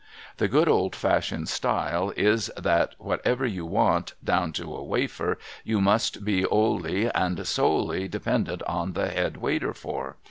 The good old fashioned style is, that whatever you want, down to a wafer, you must be olely and solely dependent on the Head Waiter for.